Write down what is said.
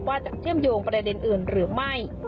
เชื่อมโยงประเด็นอื่นหรือไม่